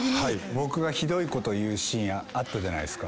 僕がひどいこと言うシーンあったじゃないですか。